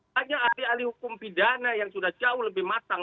hanya ahli ahli hukum pidana yang sudah jauh lebih matang